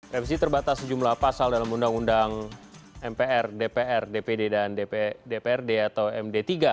revisi terbatas sejumlah pasal dalam undang undang mpr dpr dpd dan dprd atau md tiga